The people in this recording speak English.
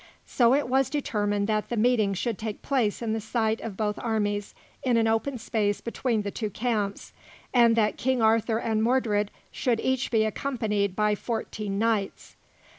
So it was determined that the meeting should take place in the sight of both armies, in an open space between the two camps, and that King Arthur and Mordred should each be accompanied by fourteen knights.